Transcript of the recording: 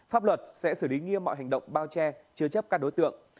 pháp luật sẽ xử lý nghiêm mọi hành động bao che chứa chấp các đối tượng